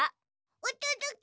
おとどけ！